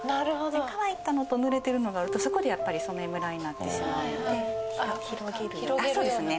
乾いたのとぬれてるのがあるとそこで染めムラになってしまうので広げるそうですね